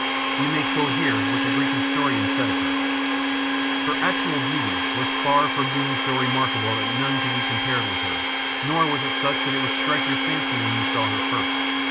We may quote here what the Greek historian said of her: Her actual beauty was far from being so remarkable that none could be compared with her, nor was it such that it would strike your fancy when you saw her first.